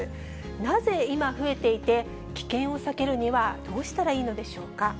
なぜ今、増えていて、危険を避けるには、どうしたらいいのでしょうか。